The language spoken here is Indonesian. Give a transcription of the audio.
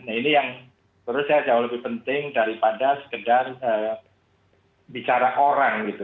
nah ini yang menurut saya jauh lebih penting daripada sekedar bicara orang gitu